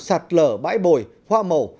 sạt lở bãi bồi hoa màu